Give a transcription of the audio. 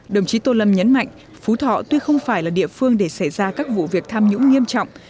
đồng chí tô lâm nhấn mạnh phú thọ tuy không phải là địa phương để xảy ra các vụ việc tham nhũng nghiêm trọng